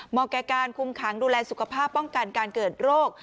แก่การคุมขังดูแลสุขภาพป้องกันการเกิดโรค